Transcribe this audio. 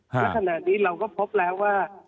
ในสถานีนี้เราก็พบแล้วว่า